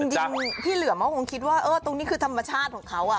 จริงพี่เหลือมเขาคงคิดว่าตรงนี้คือธรรมชาติของเขา